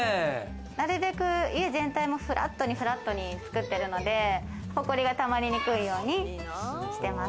なるべく家全体もフラットに作ってるので、ホコリがたまりにくいようにしてます。